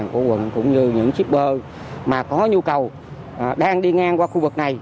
của quận cũng như những shipper mà có nhu cầu đang đi ngang qua khu vực này